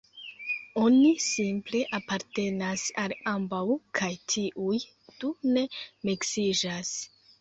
Oni simple apartenas al ambaŭ kaj tiuj du ne miksiĝas.